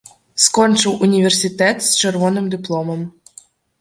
Скончыў універсітэт з чырвоным дыпломам.